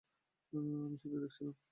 আমি শুধু দেখছিলাম।